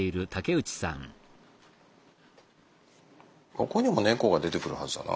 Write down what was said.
ここにも猫が出てくるはずだな。